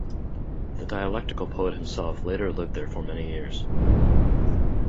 The Dialectal poet himself later lived there for many years.